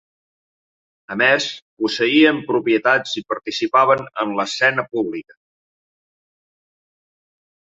A més, posseïen propietats i participaven en l'escena pública.